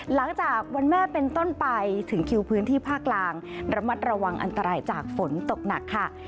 หลังจากวันแม่เป็นต้นไปถึงคิวพื้นที่ภาคกลางระมัดระวังอันตรายจากฝนตกหนักค่ะ